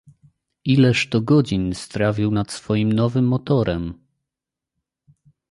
"Ileż to godzin strawił nad swoim nowym motorem!"